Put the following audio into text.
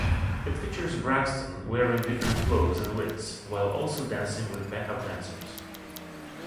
It features Braxton wearing different clothes and wigs, while also dancing with backup dancers.